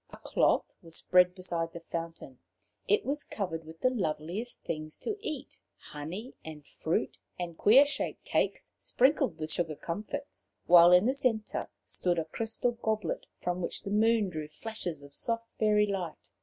A cloth was spread beside the fountain. It was covered with the loveliest things to eat honey and fruit, and queer shaped cakes sprinkled with sugar comfits while in the centre stood a crystal goblet, from which the moon drew flashes of soft fairy light.